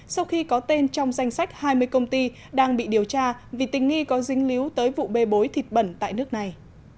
sau khi có tên trong danh sách hai mươi công ty đang bị điều tra vì tình nghi có dính líu tới vụ bê bối thịt bẩn tại nước này